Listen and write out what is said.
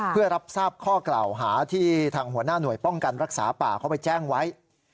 เพื่อรับทราบข้อกล่าวหาที่ทางหัวหน้าหน่วยป้องกันรักษาป่าเขาไปแจ้งไว้